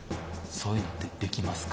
そういうのってできますか？